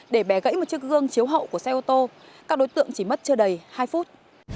để bẻ gãy một chiếc gương chiếu hậu của xe ô tô các đối tượng chỉ mất chưa đầy hai phút